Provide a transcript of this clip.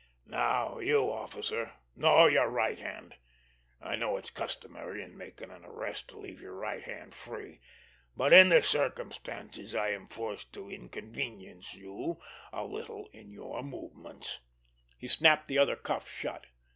"Now you, officer! No, your right hand! I know it's customary in making an arrest to leave your right hand free, but in the circumstances I am forced to inconvenience you a little in your movements." He snapped the other cuff shut.